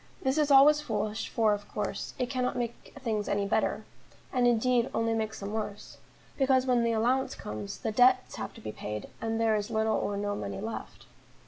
This is always foolish, for, of course, it cannot make things any better, and indeed only makes them worse; because when the allowance comes, the debts have to be paid, and there is little or no money left.